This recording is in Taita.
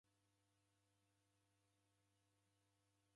W'asaghulo ni ani?